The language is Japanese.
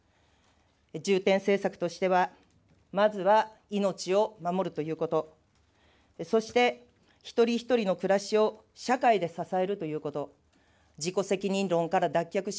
重点政策としては、まずは命を守るということ、そして一人一人の暮らしを社会で支えるということ、自己責任論から脱却し、